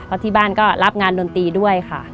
แล้วที่บ้านก็รับงานดนตรีด้วยค่ะ